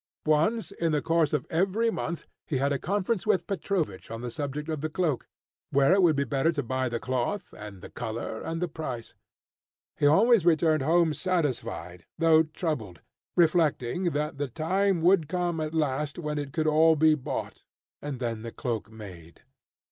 Once, in the course of every month, he had a conference with Petrovich on the subject of the cloak, where it would be better to buy the cloth, and the colour, and the price. He always returned home satisfied, though troubled, reflecting that the time would come at last when it could all be bought, and then the cloak made.